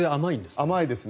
甘いですね。